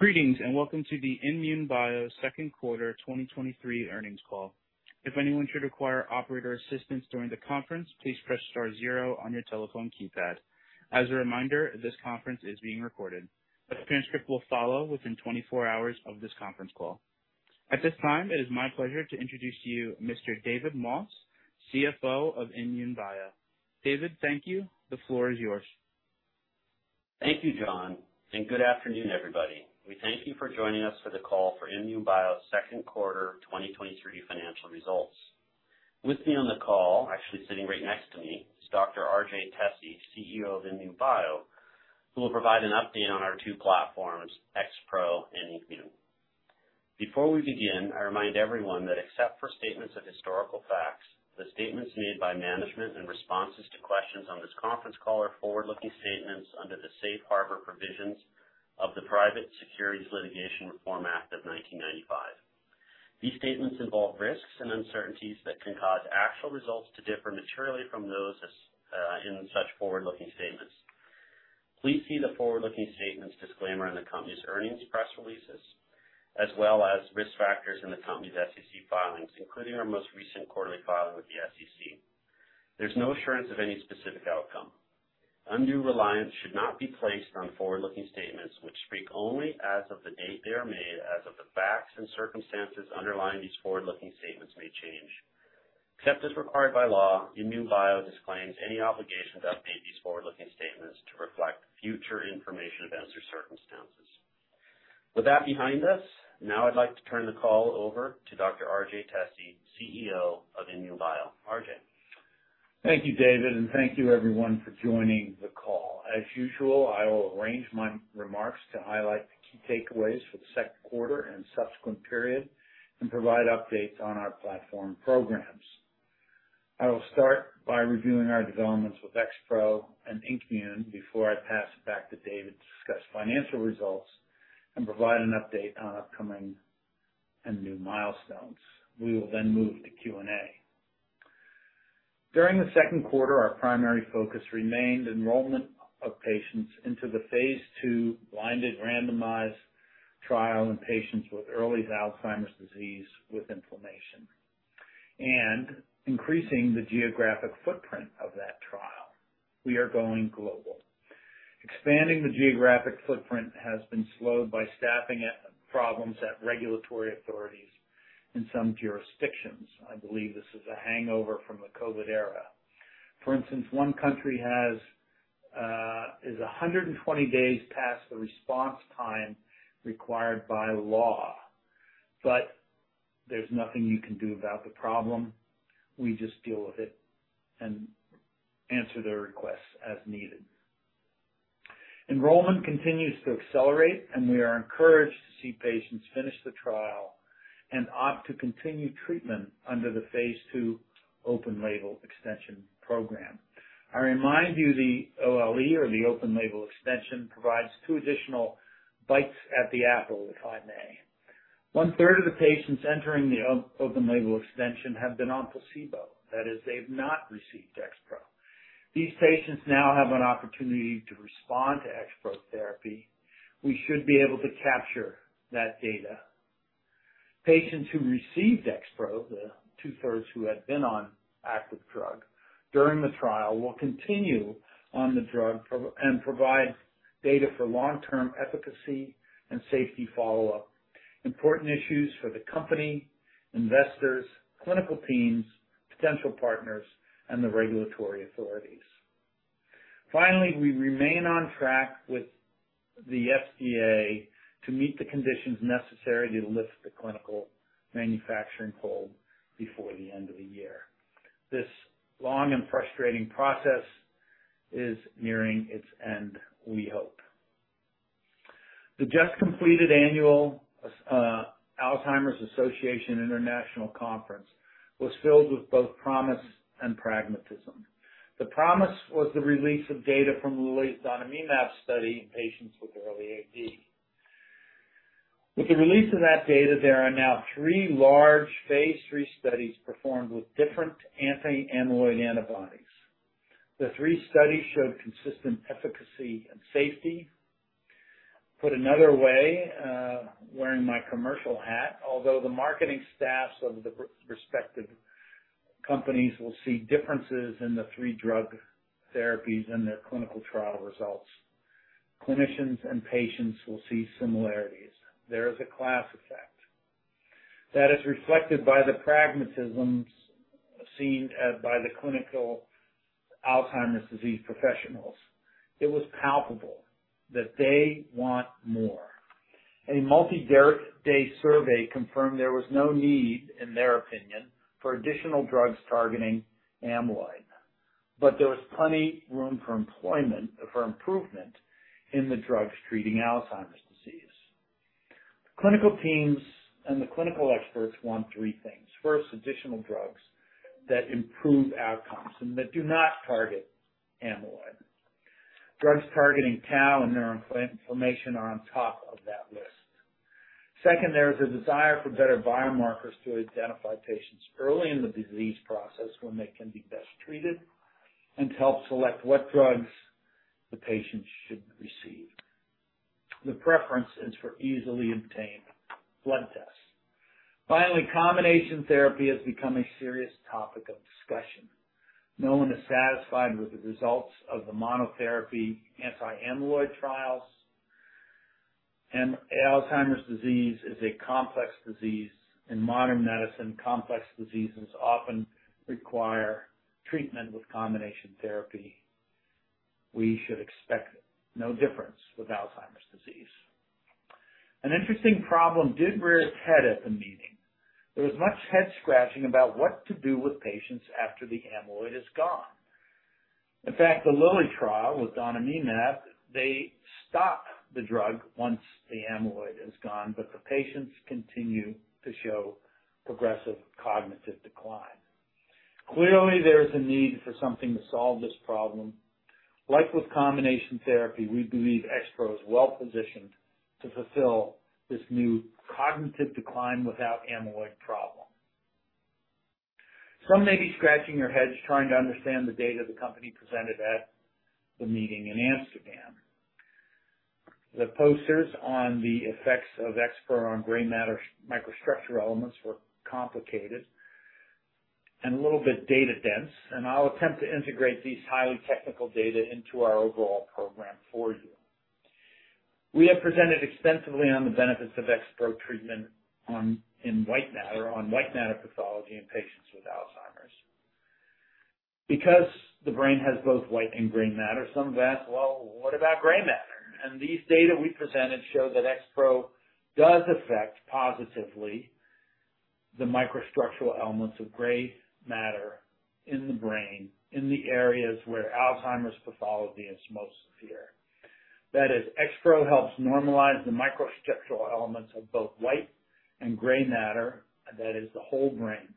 Greetings, and welcome to the INmune Bio 2nd quarter 2023 earnings call. If anyone should require operator assistance during the conference, please press star zero on your telephone keypad. As a reminder, this conference is being recorded. A transcript will follow within 24 hours of this conference call. At this time, it is my pleasure to introduce to you Mr. David Moss, CFO of INmune Bio. David, thank you. The floor is yours. Thank you, John, good afternoon, everybody. We thank you for joining us for the call for INmune Bio's second quarter 2023 financial results. With me on the call, actually sitting right next to me, is Dr. R.J. Tesi, CEO of INmune Bio, who will provide an update on our two platforms, XPro and INKmune. Before we begin, I remind everyone that except for statements of historical facts, the statements made by management and responses to questions on this conference call are forward-looking statements under the safe harbor provisions of the Private Securities Litigation Reform Act of 1995. These statements involve risks and uncertainties that can cause actual results to differ materially from those in such forward-looking statements. Please see the forward-looking statements disclaimer in the company's earnings press releases, as well as risk factors in the company's SEC filings, including our most recent quarterly filing with the SEC. There's no assurance of any specific outcome. Undue reliance should not be placed on forward-looking statements, which speak only as of the date they are made, as of the facts and circumstances underlying these forward-looking statements may change. Except as required by law, INmune Bio disclaims any obligation to update these forward-looking statements to reflect future information, events, or circumstances. With that behind us, now I'd like to turn the call over to Dr. RJ Tesi, CEO of INmune Bio. RJ. Thank you, David. Thank you everyone for joining the call. As usual, I will arrange my remarks to highlight the key takeaways for the second quarter and subsequent period and provide updates on our platform programs. I will start by reviewing our developments with XPro and INKmune before I pass it back to David to discuss financial results and provide an update on upcoming and new milestones. We will move to Q&A. During the second quarter, our primary focus remained enrollment of patients into the phase 2 blinded randomized trial in patients with early Alzheimer's disease, with inflammation, and increasing the geographic footprint of that trial. We are going global. Expanding the geographic footprint has been slowed by staffing at problems at regulatory authorities in some jurisdictions. I believe this is a hangover from the COVID era. For instance, one country has, is 120 days past the response time required by law, but there's nothing you can do about the problem. We just deal with it and answer their requests as needed. Enrollment continues to accelerate, and we are encouraged to see patients finish the trial and opt to continue treatment under the phase II open label extension program. I remind you, the OLE, or the open label extension, provides two additional bites at the apple, if I may. One-third of the patients entering the open label extension have been on placebo. That is, they've not received XPro. These patients now have an opportunity to respond to XPro therapy. We should be able to capture that data. Patients who received XPro, the two-thirds who had been on active drug during the trial, will continue on the drug and provide data for long-term efficacy and safety follow-up, important issues for the company, investors, clinical teams, potential partners, and the regulatory authorities. Finally, we remain on track with the FDA to meet the conditions necessary to lift the clinical manufacturing hold before the end of the year. This long and frustrating process is nearing its end, we hope. The just-completed annual Alzheimer's Association International Conference was filled with both promise and pragmatism. The promise was the release of data from the lecanemab study in patients with early AD. With the release of that data, there are now 3 large phase III studies performed with different anti-amyloid antibodies. The 3 studies showed consistent efficacy and safety. Put another way, wearing my commercial hat, although the marketing staffs of the respective companies will see differences in the three drug therapies and their clinical trial results, clinicians and patients will see similarities. There is a class effect. That is reflected by the pragmatisms seen by the clinical Alzheimer's disease professionals. It was palpable that they want more. A multi-day survey confirmed there was no need, in their opinion, for additional drugs targeting amyloid. There was plenty room for improvement in the drugs treating Alzheimer's disease. Clinical teams and the clinical experts want three things. First, additional drugs that improve outcomes and that do not target amyloid. Drugs targeting tau and neuron inflammation are on top of that list. Second, there is a desire for better biomarkers to identify patients early in the disease process, when they can be best treated, and to help select what drugs the patient should receive. The preference is for easily obtained blood tests. Finally, combination therapy has become a serious topic of discussion. No one is satisfied with the results of the monotherapy anti-amyloid trials, and Alzheimer's disease is a complex disease. In modern medicine, complex diseases often require treatment with combination therapy. We should expect no difference with Alzheimer's disease. An interesting problem did rear its head at the meeting. There was much head scratching about what to do with patients after the amyloid is gone. In fact, the Lilly trial with donanemab, they stop the drug once the amyloid is gone, but the patients continue to show progressive cognitive decline. Clearly, there is a need for something to solve this problem. Like with combination therapy, we believe XPro is well positioned to fulfill this new cognitive decline without amyloid problem. Some may be scratching their heads trying to understand the data the company presented at the meeting in Amsterdam. The posters on the effects of XPro on gray matter microstructure elements were complicated and a little bit data dense, and I'll attempt to integrate these highly technical data into our overall program for you. We have presented extensively on the benefits of XPro treatment on, in white matter, on white matter pathology in patients with Alzheimer's. Because the brain has both white and gray matter, some have asked, "Well, what about gray matter?" These data we presented show that XPro does affect positively the microstructural elements of gray matter in the brain, in the areas where Alzheimer's pathology is most severe. That is, XPro helps normalize the microstructural elements of both white and gray matter, that is, the whole brain.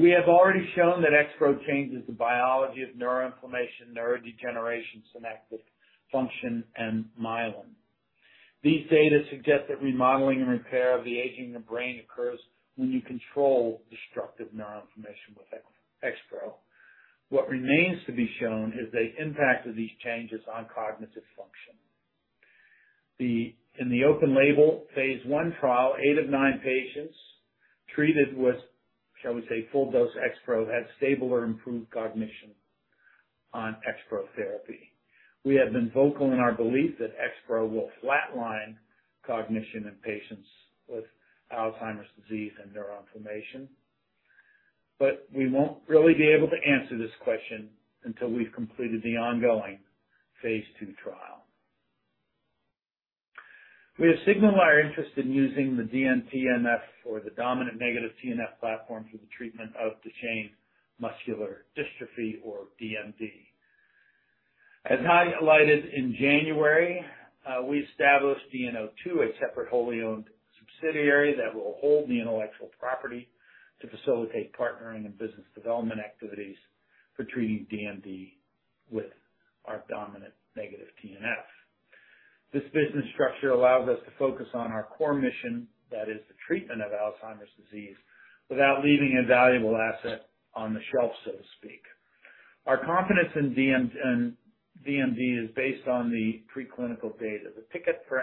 We have already shown that XPro changes the biology of neuroinflammation, neurodegeneration, synaptic function, and myelin. These data suggest that remodeling and repair of the aging of the brain occurs when you control destructive neuroinflammation with XPro. What remains to be shown is the impact of these changes on cognitive function. In the open label phase I trial, eight of nine patients treated with, shall we say, full dose XPro, had stable or improved cognition on XPro therapy. We have been vocal in our belief that XPro will flatline cognition in patients with Alzheimer's disease and neuroinflammation, but we won't really be able to answer this question until we've completed the ongoing phase II trial. We have signaled our interest in using the DN-TNF, or the Dominant-Negative TNF platform, for the treatment of Duchenne muscular dystrophy, or DMD. As highlighted in January, we established DNO2, a separate wholly owned subsidiary that will hold the intellectual property to facilitate partnering and business development activities for treating DMD with our dominant negative TNF. This business structure allows us to focus on our core mission, that is the treatment of Alzheimer's disease, without leaving a valuable asset on the shelf, so to speak. Our confidence in DMD is based on the preclinical data. The ticket for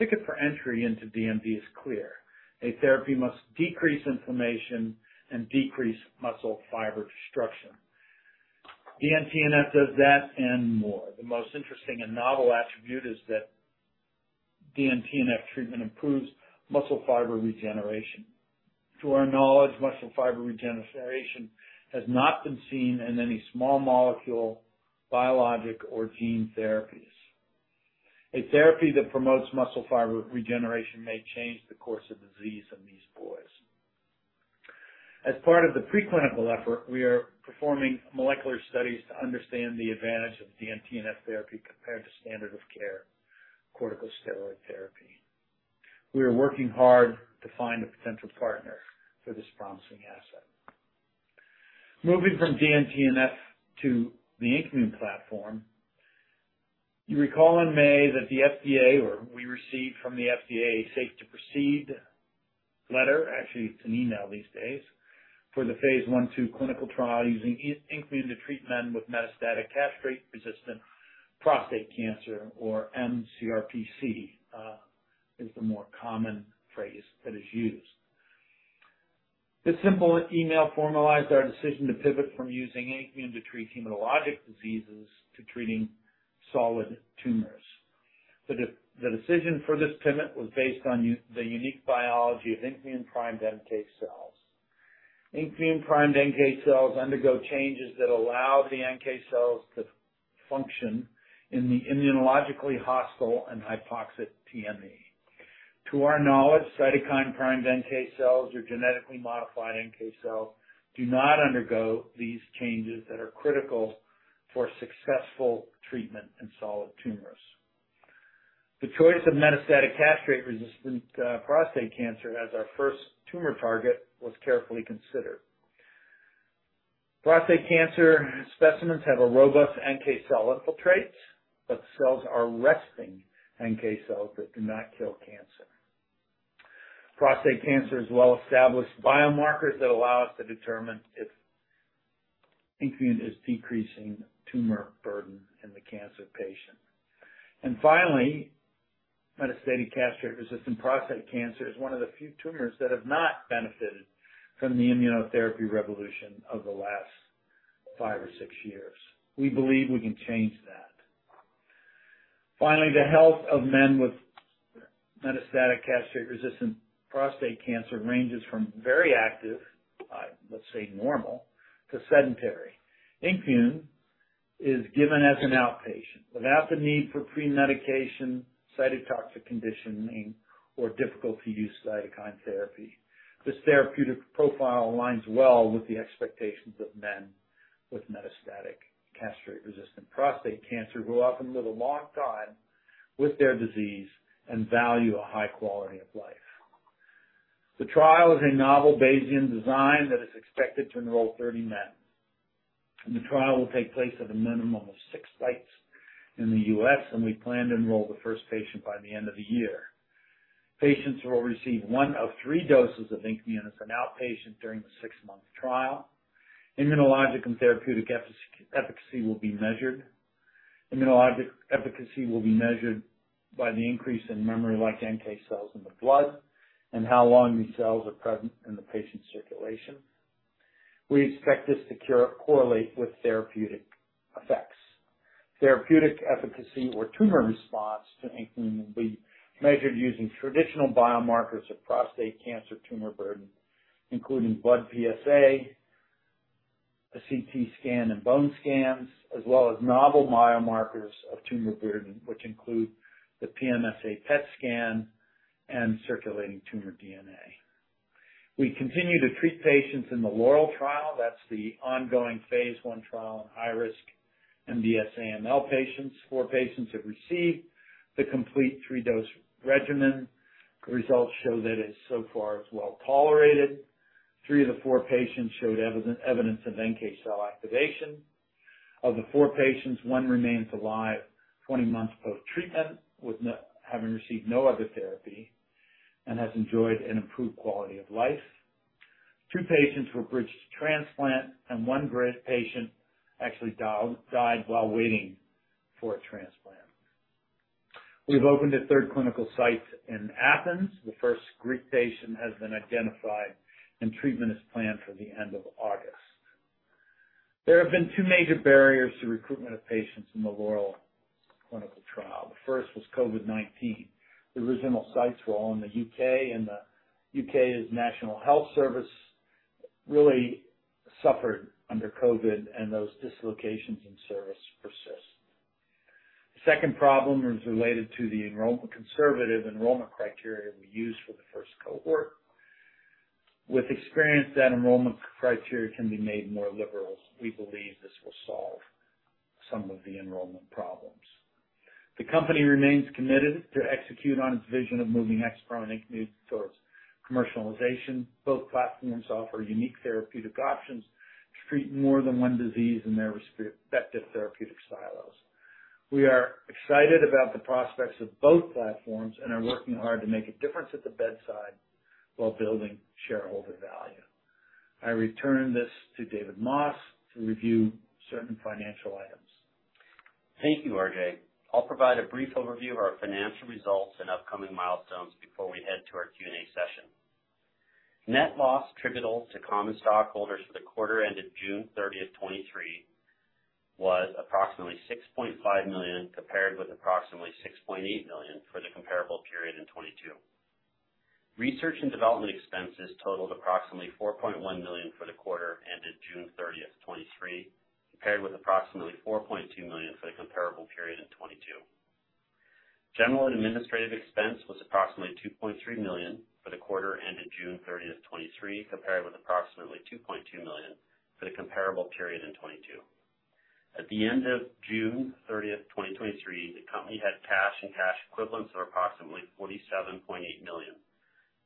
entry into DMD is clear. A therapy must decrease inflammation and decrease muscle fiber destruction. DN-TNF does that and more. The most interesting and novel attribute is that DN-TNF treatment improves muscle fiber regeneration. To our knowledge, muscle fiber regeneration has not been seen in any small molecule, biologic, or gene therapies. A therapy that promotes muscle fiber regeneration may change the course of disease in these boys. As part of the preclinical effort, we are performing molecular studies to understand the advantage of DN-TNF therapy compared to standard of care, corticosteroid therapy. We are working hard to find a potential partner for this promising asset. Moving from DN-TNF to the INKmune platform, you recall in May that the FDA, or we received from the FDA, a safe to proceed letter, actually it's an email these days, for the phase I, II clinical trial using INKmune to treat men with metastatic castration-resistant prostate cancer, or mCRPC, is the more common phrase that is used. This simple email formalized our decision to pivot from using INKmune to treat hematologic diseases to treating solid tumors. The decision for this pivot was based on the unique biology of INKmune-primed NK cells. INKmune-primed NK cells undergo changes that allow the NK cells to function in the immunologically hostile and hypoxic TME. To our knowledge, cytokine-primed NK cells or genetically modified NK cells do not undergo these changes that are critical for successful treatment in solid tumors. The choice of metastatic castration-resistant prostate cancer as our first tumor target was carefully considered. Prostate cancer specimens have a robust NK cell infiltrates, but cells are resting NK cells that do not kill cancer. Prostate cancer has well-established biomarkers that allow us to determine if INKmune is decreasing tumor burden in the cancer patient. Finally, metastatic castration-resistant prostate cancer is one of the few tumors that have not benefited from the immunotherapy revolution of the last 5 or 6 years. We believe we can change that. Finally, the health of men with metastatic castration-resistant prostate cancer ranges from very active, let's say normal, to sedentary. INKmune is given as an outpatient without the need for pre-medication, cytotoxic conditioning, or difficult-to-use cytokine therapy. This therapeutic profile aligns well with the expectations of men with metastatic castration-resistant prostate cancer, who often live a long time with their disease and value a high quality of life. The trial is a novel Bayesian design that is expected to enroll 30 men. The trial will take place at a minimum of six sites in the U.S., and we plan to enroll the first patient by the end of the year. Patients will receive 1 of 3 doses of INKmune as an outpatient during the six-month trial. Immunologic and therapeutic efficacy will be measured. Immunologic efficacy will be measured by the increase in memory-like NK cells in the blood and how long these cells are present in the patient's circulation. We expect this to correlate with therapeutic effects. Therapeutic efficacy or tumor response to INKmune will be measured using traditional biomarkers of prostate cancer tumor burden, including blood PSA, a CT scan, and bone scans, as well as novel biomarkers of tumor burden, which include the PSMA PET scan and circulating tumor DNA. We continue to treat patients in the LAUREL trial. That's the ongoing phase I trial in high-risk MDS/AML patients. Four patients have received the complete 3-dose regimen. Results show that it is so far it's well tolerated. three of the four patients showed evidence of NK cell activation. Of the four patients, one remains alive 20 months post-treatment, with no having received no other therapy, and has enjoyed an improved quality of life. Two patients were bridged to transplant, and 1 GRIT patient actually died while waiting for a transplant. We've opened a third clinical site in Athens. The first Greek patient has been identified, and treatment is planned for the end of August. There have been Two major barriers to recruitment of patients in the LAUREL clinical trial. The first was COVID-19. The original sites were all in the U.K., and the U.K'.s National Health Service really suffered under COVID, and those dislocations in service persist. The second problem is related to the enrollment, conservative enrollment criteria we used for the first cohort. With experience, that enrollment criteria can be made more liberal. We believe this will solve some of the enrollment problems. The company remains committed to execute on its vision of moving XPro and INKmune towards commercialization. Both platforms offer unique therapeutic options to treat more than one disease in their respective therapeutic silos. We are excited about the prospects of both platforms and are working hard to make a difference at the bedside while building shareholder value. I return this to David Moss to review certain financial items. Thank you, RJ. I'll provide a brief overview of our financial results and upcoming milestones before we head to our Q&A session. Net loss attributable to common stockholders for the quarter ended June 30th, 2023, was approximately $6.5 million, compared with approximately $6.8 million for the comparable period in 2022. Research and development expenses totaled approximately $4.1 million for the quarter ended June 30th, 2023, compared with approximately $4.2 million for the comparable period in 2022. General and administrative expense was approximately $2.3 million for the quarter ended June 30th, 2023, compared with approximately $2.2 million for the comparable period in 2022. At the end of June 30th, 2023, the company had cash and cash equivalents of approximately $47.8 million.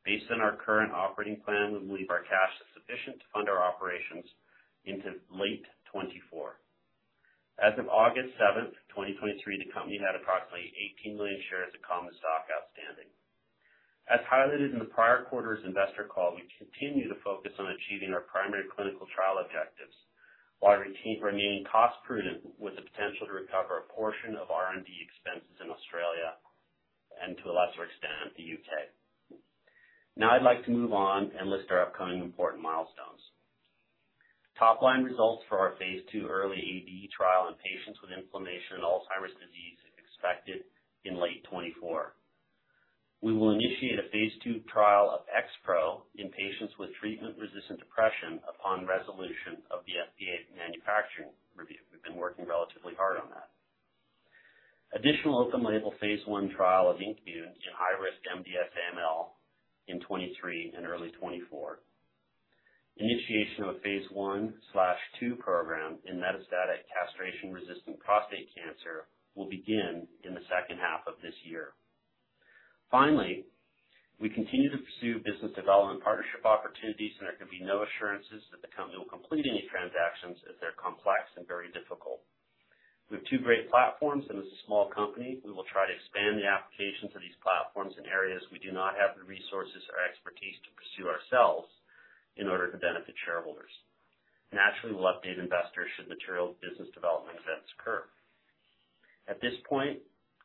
Based on our current operating plan, we believe our cash is sufficient to fund our operations into late 2024. As of August seventh, 2023, the company had approximately 18 million shares of common stock outstanding. As highlighted in the prior quarter's investor call, we continue to focus on achieving our primary clinical trial objectives while remaining cost-prudent with the potential to recover a portion of R&D expenses in Australia and, to a lesser extent, the U.K. Now, I'd like to move on and list our upcoming important milestones. Top-line results for our phase II early AD trial in patients with inflammation and Alzheimer's disease is expected in late 2024. We will initiate a phase II trial of XPro in patients with treatment-resistant depression upon resolution of the FDA manufacturing review. We've been working relatively hard on that. Additional open label phase 1 trial of INKmune in high-risk MDS/AML in 2023 and early 2024. Initiation of a phase 1/2 program in metastatic castration-resistant prostate cancer will begin in the second half of this year. Finally, we continue to pursue business development partnership opportunities, and there can be no assurances that the company will complete any transactions as they're complex and very difficult. We have two great platforms, and as a small company, we will try to expand the applications of these platforms in areas we do not have the resources or expertise to pursue ourselves in order to benefit shareholders. Naturally, we'll update investors should material business development events occur. At this point,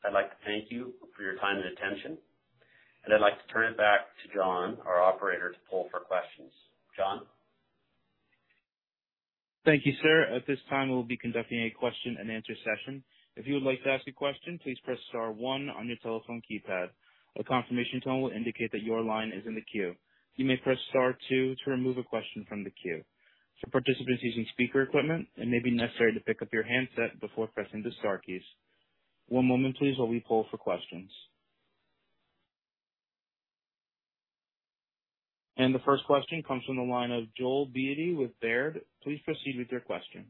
I'd like to thank you for your time and attention, and I'd like to turn it back to John, our operator, to poll for questions. John? Thank you, sir. At this time, we'll be conducting a question-and-answer session. If you would like to ask a question, please press star one on your telephone keypad. A confirmation tone will indicate that your line is in the queue. You may press star two to remove a question from the queue. For participants using speaker equipment, it may be necessary to pick up your handset before pressing the star keys. One moment, please, while we poll for questions. The first question comes from the line of Joel Beatty with Baird. Please proceed with your question.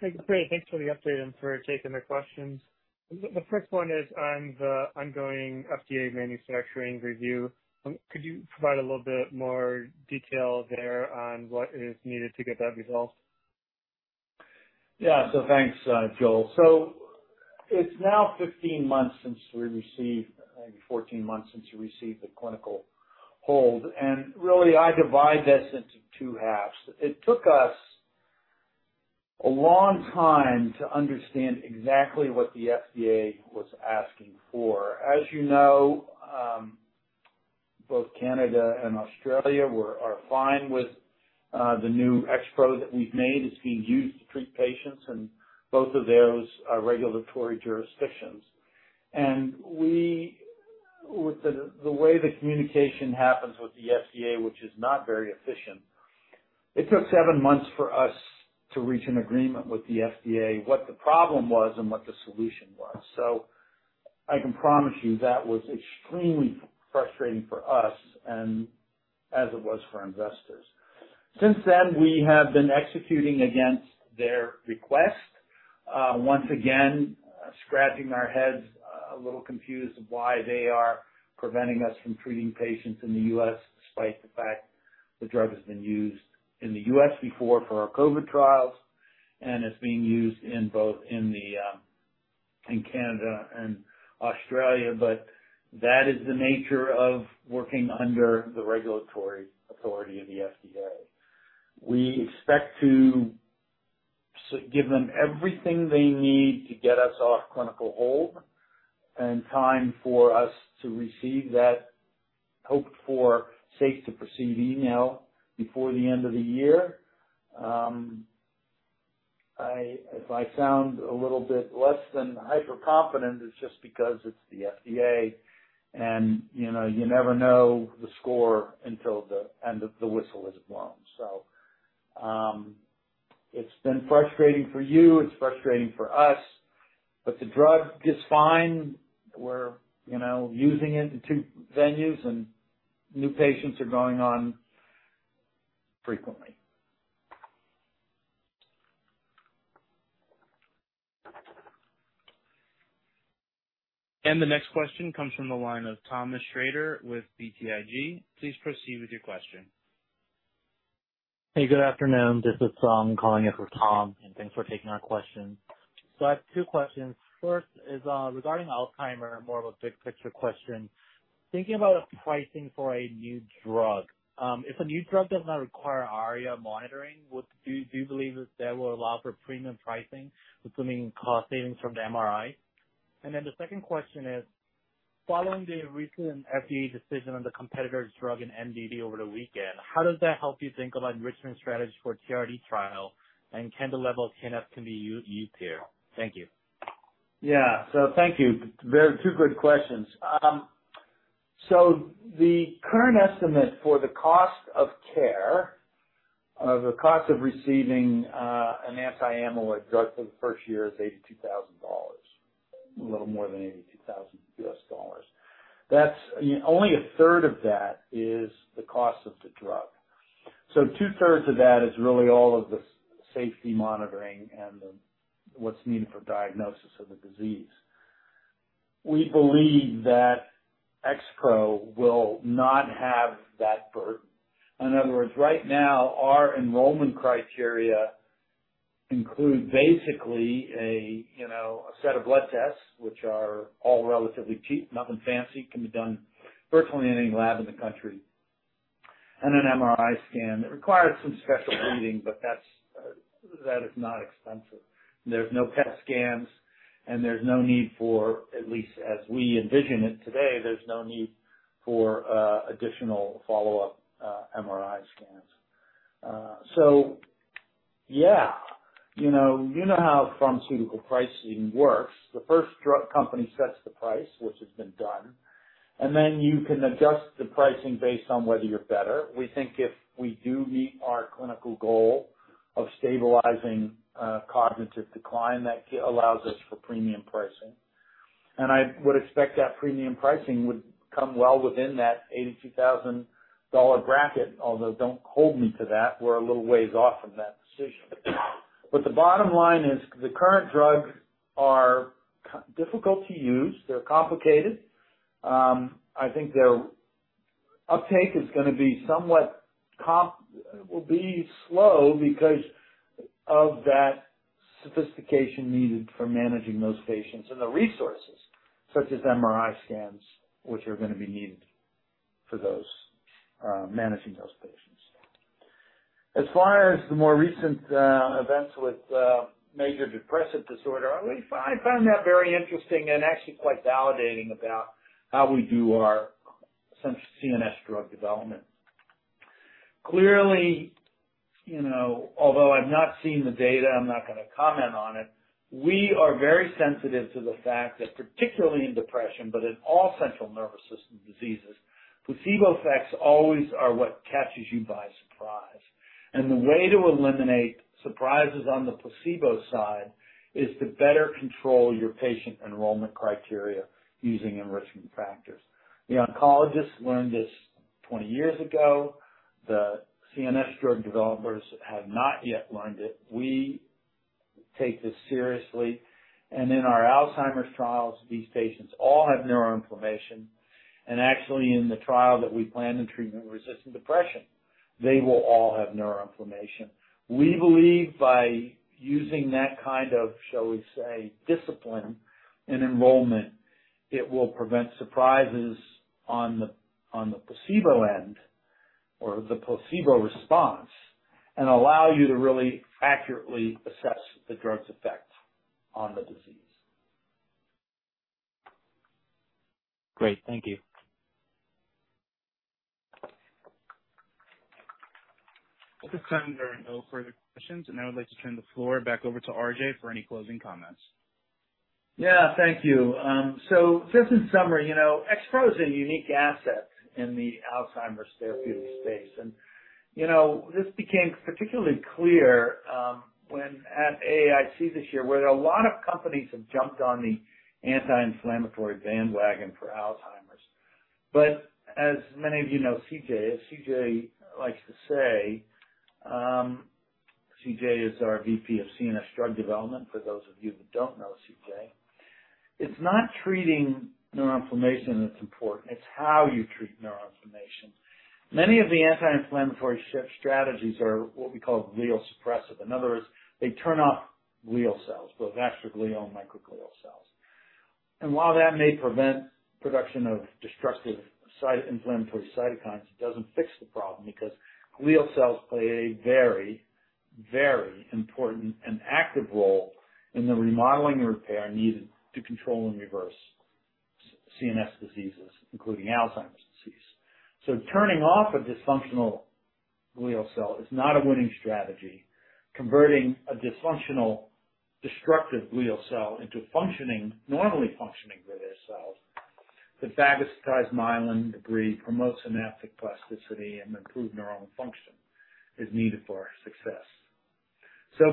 Thank you, Craig. Thanks for the update and for taking the questions. The, the first one is on the ongoing FDA manufacturing review. Could you provide a little bit more detail there on what is needed to get that resolved? Yeah. Thanks, Joel. It's now 15 months since we received... maybe 14 months since we received the clinical hold, and really, I divide this into two halves. It took us a long time to understand exactly what the FDA was asking for. As you know, both Canada and Australia are fine with the new XPro that we've made. It's being used to treat patients in both of those regulatory jurisdictions. We, with the way the communication happens with the FDA, which is not very efficient, it took seven months for us to reach an agreement with the FDA, what the problem was and what the solution was. I can promise you that was extremely frustrating for us and as it was for investors. Since then, we have been executing against their request. Once again, scratching our heads, a little confused of why they are preventing us from treating patients in the U.S., despite the fact the drug has been used in the U.S. before for our COVID trials, and it's being used in both in the in Canada and Australia. That is the nature of working under the regulatory authority of the FDA. We expect to give them everything they need to get us off clinical hold and time for us to receive that hoped-for safe to proceed email before the end of the year. If I sound a little bit less than hyper confident, it's just because it's the FDA, and, you know, you never know the score until the whistle is blown. It's been frustrating for you, it's frustrating for us, but the drug is fine. We're, you know, using it in two venues, and new patients are going on frequently. The next question comes from the line of Thomas Shrader with BTIG. Please proceed with your question. Hey, good afternoon. This is Tom, calling in for Tom, and thanks for taking our question. I have two questions. First is, regarding Alzheimer's, more of a big picture question. Thinking about a pricing for a new drug, if a new drug does not require ARIA monitoring, do you believe that that will allow for premium pricing, assuming cost savings from the MRI? The second question is: following the recent FDA decision on the competitor's drug in MDD over the weekend, how does that help you think about enrichment strategy for TRD trial, and can the level of KF can be used here? Thank you. Yeah. Thank you. Very two good questions. The current estimate for the cost of care, of the cost of receiving an anti-amyloid drug for the first year is $82,000, a little more than $82,000. That's only 1/3 of that is the cost of the drug. 2/3 of that is really all of the safety monitoring and what's needed for diagnosis of the disease. We believe that XPro will not have that burden. In other words, right now, our enrollment criteria includes basically a, you know, a set of blood tests, which are all relatively cheap, nothing fancy, can be done virtually in any lab in the country, and an MRI scan. It requires some special reading, but that's that is not expensive. There's no PET scans, and there's no need for, at least as we envision it today, there's no need for additional follow-up, MRI scans. So yeah, you know, you know how pharmaceutical pricing works. The first drug company sets the price, which has been done, and then you can adjust the pricing based on whether you're better. We think if we do meet our clinical goal of stabilizing cognitive decline, that allows us for premium pricing. I would expect that premium pricing would come well within that $82,000 bracket, although don't hold me to that, we're a little ways off from that decision. The bottom line is, the current drugs are difficult to use. They're complicated. I think their uptake is gonna be somewhat will be slow because of that sophistication needed for managing those patients, and the resources, such as MRI scans, which are gonna be needed for those, managing those patients. As far as the more recent, events with, major depressive disorder, I found that very interesting and actually quite validating about how we do our central CNS drug development. Clearly, you know, although I've not seen the data, I'm not gonna comment on it, we are very sensitive to the fact that, particularly in depression, but in all central nervous system diseases, placebo effects always are what catches you by surprise. The way to eliminate surprises on the placebo side, is to better control your patient enrollment criteria using enrichment factors. The oncologists learned this 20 years ago. The CNS drug developers have not yet learned it. We take this seriously, and in our Alzheimer's trials, these patients all have neuroinflammation. Actually, in the trial that we plan in treatment-resistant depression, they will all have neuroinflammation. We believe by using that kind of, shall we say, discipline in enrollment, it will prevent surprises on the, on the placebo end, or the placebo response, and allow you to really accurately assess the drug's effect on the disease. Great. Thank you. It looks like there are no further questions, and I would like to turn the floor back over to RJ for any closing comments. Yeah, thank you. Just in summary, you know, XPro is a unique asset in the Alzheimer's therapeutic space. You know, this became particularly clear when at AAIC this year, where a lot of companies have jumped on the anti-inflammatory bandwagon for Alzheimer's. As many of you know, CJ, as CJ likes to say, CJ is our VP of CNS Drug Development, for those of you that don't know CJ. It's not treating neuroinflammation that's important, it's how you treat neuroinflammation. Many of the anti-inflammatory strategies are what we call glial suppressive. In other words, they turn off glial cells, both astroglial and microglial cells. While that may prevent production of destructive inflammatory cytokines, it doesn't fix the problem, because glial cells play a very, very important and active role in the remodeling and repair needed to control and reverse CNS diseases, including Alzheimer's disease. Turning off a dysfunctional glial cell is not a winning strategy. Converting a dysfunctional, destructive glial cell into functioning, normally functioning glial cells, that phagocytose myelin debris, promote synaptic plasticity, and improve neuronal function, is needed for success.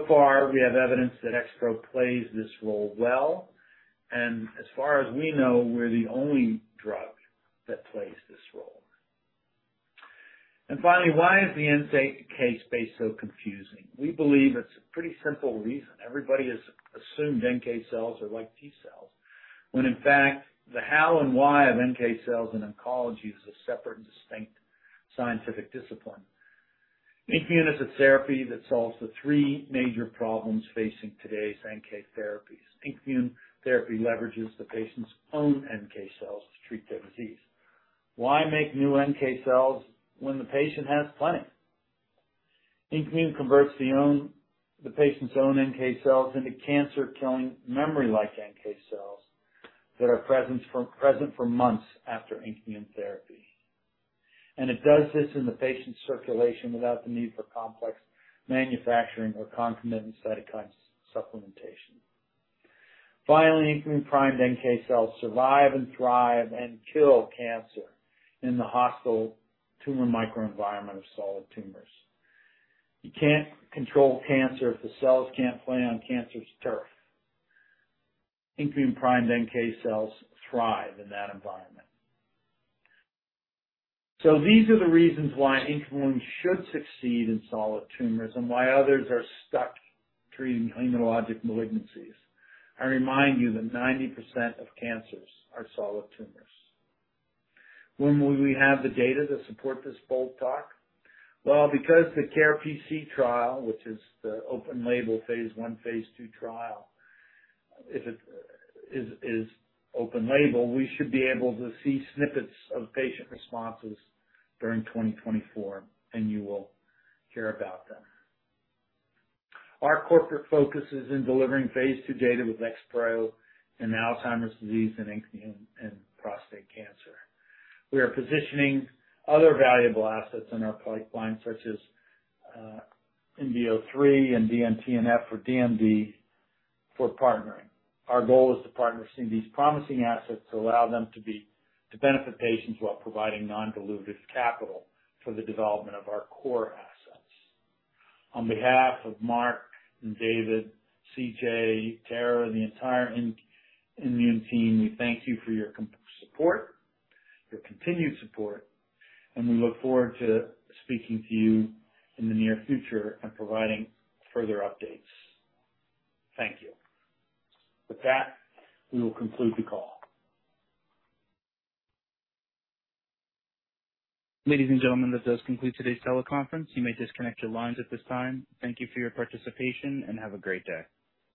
Far, we have evidence that XPro plays this role well, and as far as we know, we're the only drug that plays this role. Finally, why is the NK space so confusing? We believe it's a pretty simple reason. Everybody has assumed NK cells are like T cells, when in fact, the how and why of NK cells in oncology is a separate and distinct scientific discipline. INKmune is a therapy that solves the three major problems facing today's NK therapies. INKmune therapy leverages the patient's own NK cells to treat their disease. Why make new NK cells when the patient has plenty? INKmune converts the patient's own NK cells into cancer-killing memory-like NK cells, that are present for months after INKmune therapy. It does this in the patient's circulation without the need for complex manufacturing or concomitant cytokine supplementation. Finally, INKmune primed NK cells survive and thrive and kill cancer in the hostile tumor microenvironment of solid tumors. You can't control cancer if the cells can't play on cancer's turf. INKmune primed NK cells thrive in that environment. These are the reasons why INKmune should succeed in solid tumors, and why others are stuck treating hematologic malignancies. I remind you that 90% of cancers are solid tumors. When will we have the data to support this bold talk? Because the CaRe PC trial, which is the open label phase I, phase II trial, if it is open label, we should be able to see snippets of patient responses during 2024, and you will hear about them. Our corporate focus is in delivering phase II data with XPro in Alzheimer's disease and INKmune in prostate cancer. We are positioning other valuable assets in our pipeline, such as INB03 and DN-TNF for DMD, for partnering. Our goal is to partner some of these promising assets, to allow them to be... To benefit patients while providing non-dilutive capital for the development of our core assets. On behalf of Mark and David, CJ, Terra, and the entire INmune team, we thank you for your support, your continued support, and we look forward to speaking to you in the near future and providing further updates. Thank you. With that, we will conclude the call. Ladies and gentlemen, that does conclude today's teleconference. You may disconnect your lines at this time. Thank you for your participation, and have a great day.